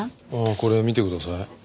これ見てください。